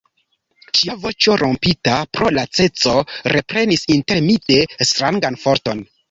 Ŝia voĉo, rompita pro laceco, reprenis intermite strangan forton.